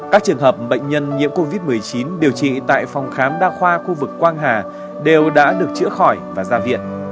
các trường hợp bệnh nhân nhiễm covid một mươi chín điều trị tại phòng khám đa khoa khu vực quang hà đều đã được chữa khỏi và ra viện